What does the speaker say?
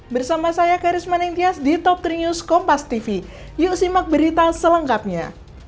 bersama saya karisma ningtyas di top tiga kompas tv yuk simak berita selengkapnya